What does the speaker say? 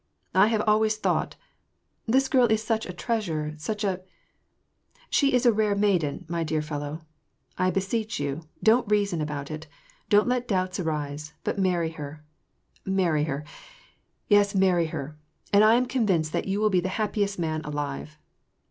" I have always thought — This girl is such a treasui'e, such a — she is a rare maiden, uiy dear fellow : I beseech you, don't reason about it, don't let doubts arise, but marry her — marry her — marry her ; and I am convinced that you will be the happiest man alive